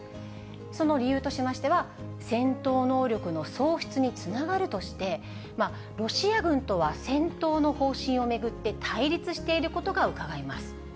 その理由としましては、戦闘能力の喪失につながるとして、ロシア軍とは戦闘の方針を巡って対立していることがうかがえます。